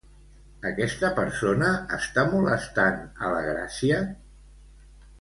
Aquesta persona està molestant a la Gràcia?